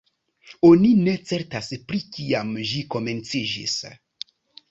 Oni ne certas pri kiam ĝi komenciĝis.